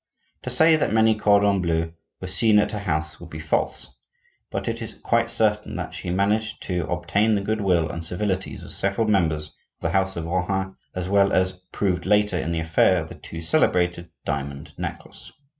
To say that many cordons bleus were seen at her house would be false; but it is quite certain that she managed to obtain the good will and civilities of several members of the house of Rohan, as was proved later in the affair of the too celebrated diamond necklace.